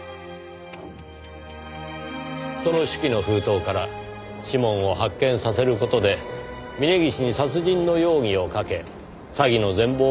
その手記の封筒から指紋を発見させる事で峰岸に殺人の容疑をかけ詐欺の全貌を明らかにさせる。